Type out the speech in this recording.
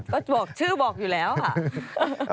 ก็บอกชื่อบอกอยู่แล้วอ่ะ